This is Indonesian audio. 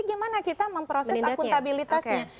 bagaimana kita memproses akuntabilitasnya